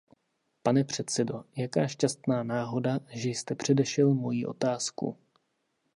Pane předsedo, jaká šťastná náhoda, že jste předešel moji otázku.